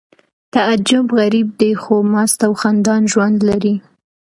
تعجب غریب دی خو مست او خندان ژوند لري